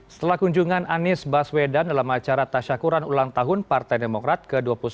setelah kunjungan anies baswedan dalam acara tasyakuran ulang tahun partai demokrat ke dua puluh satu